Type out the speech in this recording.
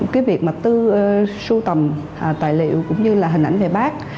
cái việc mà tư sưu tầm tài liệu cũng như là hình ảnh về bác